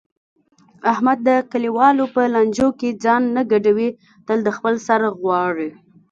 احمد د کلیوالو په لانجو کې ځان نه ګډوي تل د خپل سر غواړي.